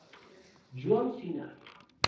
John Cena.